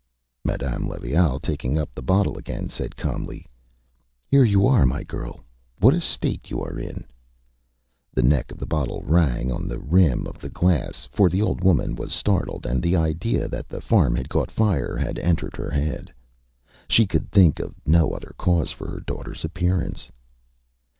Â Madame Levaille, taking up the bottle again, said calmly: ÂHere you are, my girl. What a state you are in!Â The neck of the bottle rang on the rim of the glass, for the old woman was startled, and the idea that the farm had caught fire had entered her head. She could think of no other cause for her daughterÂs appearance.